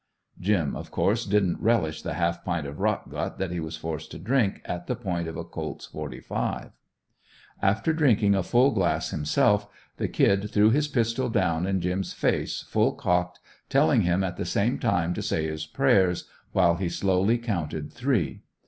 "Jim" of course didn't relish the half pint of rotgut that he was forced to drink at the point of a colts "45." After drinking a full glass himself the "Kid" threw his pistol down in "Jim's" face, full cocked, telling him at the same time to say his prayers while he slowly counted "three."